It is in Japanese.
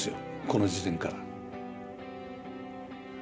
この時点から。